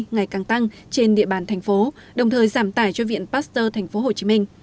ngày càng tăng trên địa bàn thành phố đồng thời giảm tải cho viện pasteur tp hcm